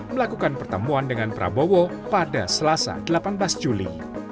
melakukan pertemuan dengan prabowo pada selasa delapan belas juli